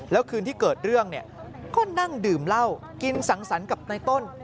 แล้วคืนที่เกิดเรื่องเนี่ยก็นั่งดื่มเหล้ากินสังสรรค์กับในต้น